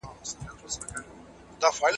که ثيبې اووه شپې اختيار کړې، هغه قضاء لري.